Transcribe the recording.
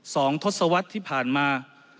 ทศวรรษที่ผ่านมา